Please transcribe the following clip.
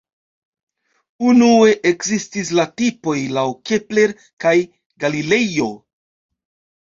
Unue ekzistis la tipoj laŭ Kepler kaj Galilejo.